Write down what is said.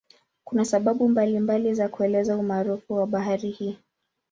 Kuna sababu mbalimbali za kuelezea umaarufu wa bahari hii.